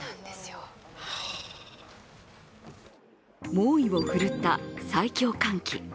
猛威を振るった最強寒気。